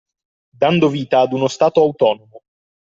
Dando vita ad uno stato autonomo.